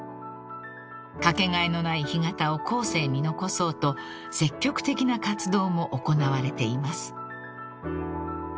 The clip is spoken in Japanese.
［かけがえのない干潟を後世に残そうと積極的な活動も行われています］